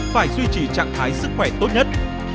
phải duy trì trạng thái sức khỏe tốt nhất